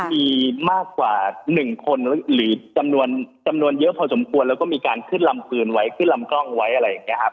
มีมากกว่า๑คนหรือจำนวนจำนวนเยอะพอสมควรแล้วก็มีการขึ้นลำปืนไว้ขึ้นลำกล้องไว้อะไรอย่างนี้ครับ